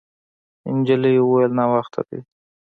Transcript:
نجلۍ وویل: «ناوخته دی.»